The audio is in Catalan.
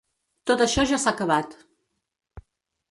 Tot això ja s’ha acabat!